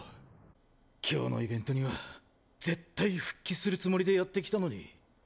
今日のイベントには絶対復帰するつもりでやってきたのに。